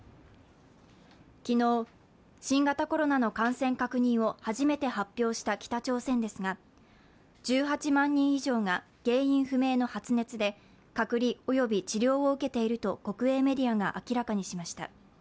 昨日、新型コロナの感染確認を初めて発表した北朝鮮ですが、１８万人以上が原因不明の発熱で隔離及び治療を受けていると国営メディアが明らかにしました。